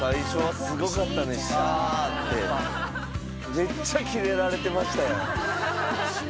めっちゃキレられてましたやん。